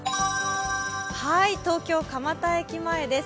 東京・蒲田駅前です。